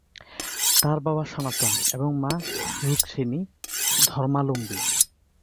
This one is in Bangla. তাঁর বাবা সনাতন এবং মা রুক্মিণী ধর্মাবলম্বী।